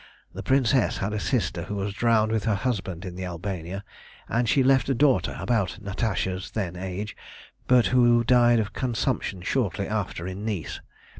The Princess had a sister, who was drowned with her husband in the Albania, and she left a daughter about Natasha's then age, but who died of consumption shortly after in Nice.